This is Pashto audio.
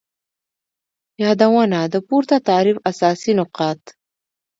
یادونه : د پورته تعریف اساسی نقاط